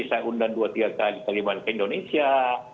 saya undang dua tiga kali taliban ke indonesia